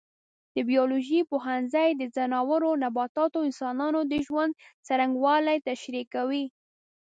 د بیولوژي پوهنځی د ځناورو، نباتاتو او انسانانو د ژوند څرنګوالی تشریح کوي.